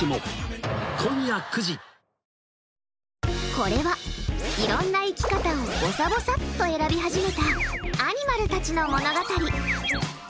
これは、いろんな生き方をぼさぼさっと選び始めたアニマルたちの物語。